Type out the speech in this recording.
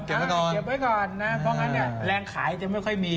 เก็บไว้ก่อนนะเพราะงั้นเนี่ยแรงขายจะไม่ค่อยมี